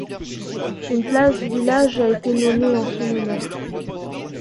Une place du village a été nommée en son honneur.